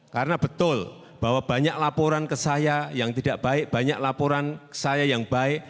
karena betul bahwa banyak laporan ke saya yang tidak baik banyak laporan saya yang baik